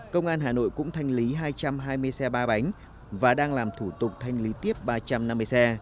công an hà nội cũng thanh lý hai trăm hai mươi xe ba bánh và đang làm thủ tục thanh lý tiếp ba trăm năm mươi xe